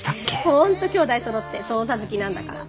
本当きょうだいそろって捜査好きなんだから。